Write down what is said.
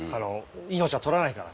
「命は取らないから」。